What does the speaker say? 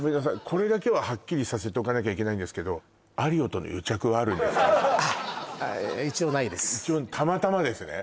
これだけははっきりさせておかなきゃいけないんですけどあっ一応たまたまですね